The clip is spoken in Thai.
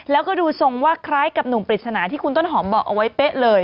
แล้วก็ดูทรงว่าคล้ายกับหนุ่มปริศนาที่คุณต้นหอมบอกเอาไว้เป๊ะเลย